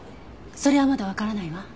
それはまだわからないわ。